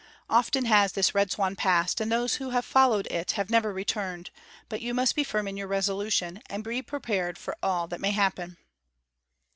Often has this Red Swan passed, and those who have followed it have never returned; but you must be firm in your resolution, and be prepared for all that may happen."